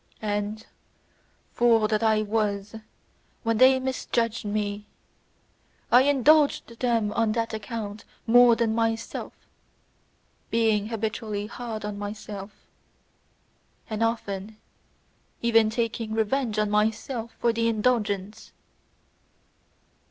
And, fool that I was, when they misjudged me, I indulged them on that account more than myself, being habitually hard on myself, and often even taking revenge on myself for the indulgence.